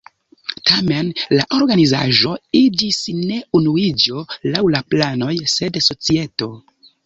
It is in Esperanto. Tamen la organizaĵo iĝis ne Unuiĝo laŭ la planoj, sed "Societo".